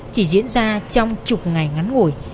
chỉ diễn ra trong chục ngày ngắn ngủi